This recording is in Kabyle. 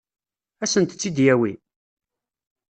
Ad sent-tt-id-yawi?